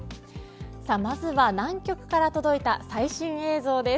まずは南極から届いた最新映像です。